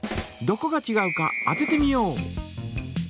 どこがちがうか当ててみよう！